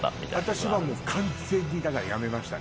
私は完全にだからやめました。